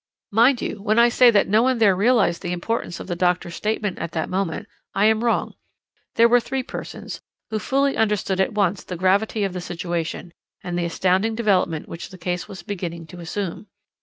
"Mind you, when I say that no one there realized the importance of the doctor's statement at that moment, I am wrong; there were three persons, who fully understood at once the gravity of the situation, and the astounding development which the case was beginning to assume.